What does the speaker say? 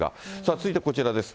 続いてこちらです。